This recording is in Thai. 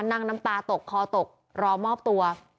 น้ำตาตกคอตกรอมอบตัว